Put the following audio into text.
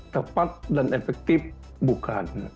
tepat dan efektif bukan